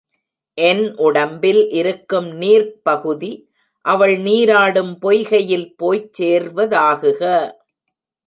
என் உடம்பில் இருக்கும் நீர்ப் பகுதி, அவள் நீராடும் பொய்கையில் போய்ச் சேர்வ தாகுக!